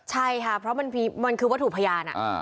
ใช่ค่ะเพราะมันคือวัตถุพยาน